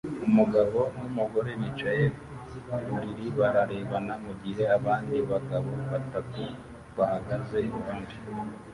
Umugabo numugore bicaye ku buriri bararebana mugihe abandi bagabo batatu bahagaze iruhande